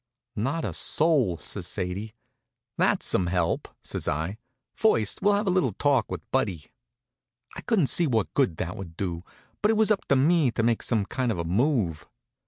"Not a soul," says Sadie. "That's some help," says I. "First we'll have a little talk with Buddy." I couldn't see what good that would do, but it was up to me to make some kind of a move.